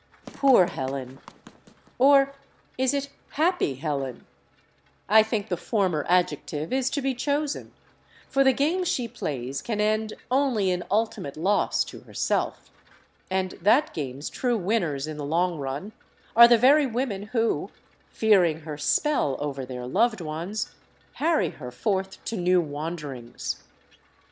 Poor Helen! Or is it happy Helen? I think the former adjective is to be chosen. For the game she plays can end only in ultimate loss to herself. And that game's true winners, in the long run, are the very women who, fearing her spell over their loved ones, harry her forth to new wanderings.